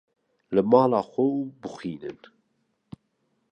li mala xwe û bixwînin.